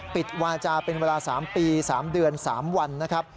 ปิดวาจาเป็นเวลา๓ปี๓เดือน๓วันนะครับ